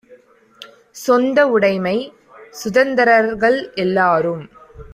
சொந்த உடைமை! சுதந்தரர்கள் எல்லாரும்!